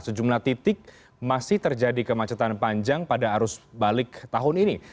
sejumlah titik masih terjadi kemacetan panjang pada arus balik tahun ini